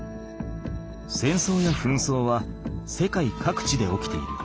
戦争や紛争は世界各地で起きている。